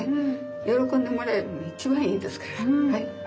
喜んでもらえるのが一番いいですから。